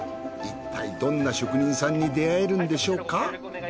いったいどんな職人さんに出会えるんでしょうか。